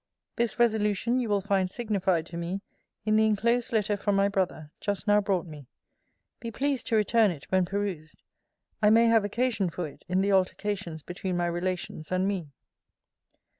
This resolution you will find signified to me in the inclosed letter from my brother, just now brought me. Be pleased to return it, when perused. I may have occasion for it, in the altercations between my relations and me.